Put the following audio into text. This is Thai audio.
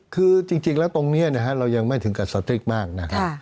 คือจริงแล้วตรงนี้เรายังไม่ถึงกับสตริกมากนะครับ